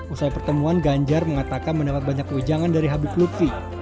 usai pertemuan ganjar mengatakan mendapat banyak kewijangan dari habib lutfi